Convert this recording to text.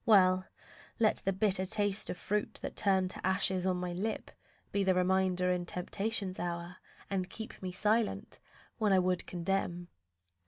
Well, let the bitter taste Of fruit that turned to ashes on my lip Be my reminder in temptation's hour, And keep me silent when I would condemn.